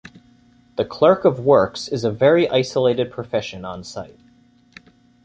The clerk of works is a very isolated profession on site.